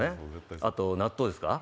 あと、納豆ですか。